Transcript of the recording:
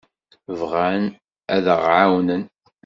Bɣan ad aɣ-ɛawnen.